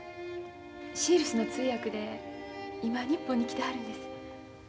シールスの通訳で今日本に来てはるんです。